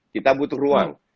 kita butuh ruang